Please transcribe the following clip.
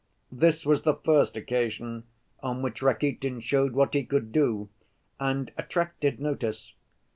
This was the first occasion on which Rakitin showed what he could do, and attracted notice.